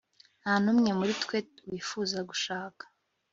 nta n'umwe muri twe wifuza gushaka